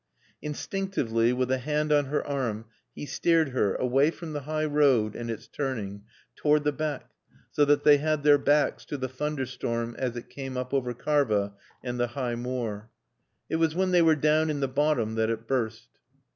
Instinctively, with a hand on her arm he steered her, away from the high road and its turning, toward the beck, so that they had their backs to the thunder storm as it came up over Karva and the High Moor. It was when they were down in the bottom that it burst.